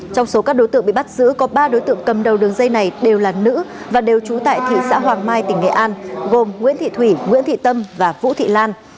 trong số các đối tượng bị bắt giữ có ba đối tượng cầm đầu đường dây này đều là nữ và đều trú tại thị xã hoàng mai tỉnh nghệ an gồm nguyễn thị thủy nguyễn thị tâm và vũ thị lan